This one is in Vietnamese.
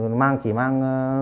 nó chỉ mang